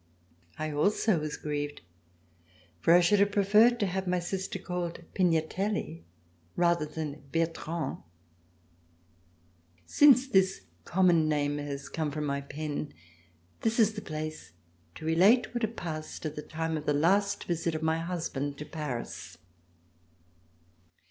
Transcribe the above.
I also was grieved, for I should have preferred to have my sister called Pignatelli rather than Bertrand. Since this common name has come from my pen, this is the place to relate what had passed at the time of the last trip of my husband to Paris.